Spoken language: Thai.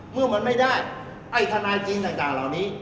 เมื่อมันไม่ได้ไอ้ทนายจริงต่างเหล่านี้